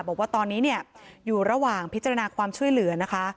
บอกว่าตอนนี้เนี่ยอยู่ระหว่างพิจารณาความช่วยเหลือนะคะ